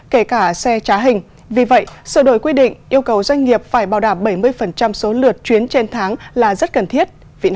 kể cả xe trá hình vì vậy sự đổi quy định yêu cầu doanh nghiệp phải bảo đảm bảy mươi số lượt chuyến trên tháng là rất cần thiết